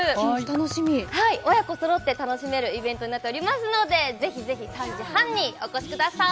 親子そろって楽しめるイベントになっておりますので、ぜひぜひ、３時半にお越しください。